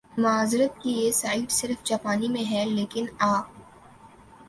معذرت کہ یہ سائیٹ صرف جاپانی میں ھے لیکن آ